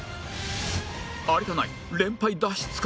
有田ナイン連敗脱出か？